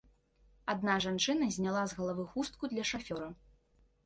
Адна жанчына зняла з галавы хустку для шафёра.